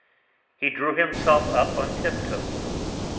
He drew himself up on tiptoe.